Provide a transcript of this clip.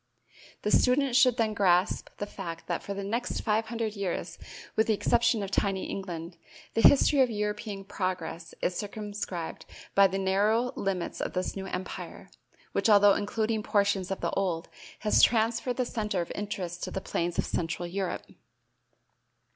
The student should then grasp the fact that for the next five hundred years, with the exception of tiny England, the history of European progress is circumscribed by the narrow limits of this new empire, which although including portions of the old, has transferred the center of interest to the plains of central Europe.